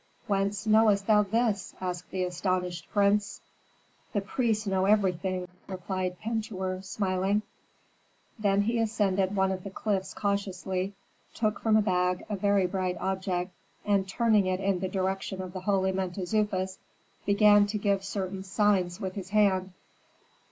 "Whence knowest thou this?" asked the astonished prince. "The priests know everything," replied Pentuer, smiling. Then he ascended one of the cliffs cautiously, took from a bag a very bright object and turning it in the direction of the holy Mentezufis began to give certain signs with his hand.